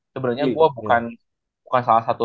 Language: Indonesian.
sebenarnya gue bukan salah satu